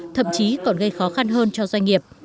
thậm chí còn gây khó khăn hơn cho doanh nghiệp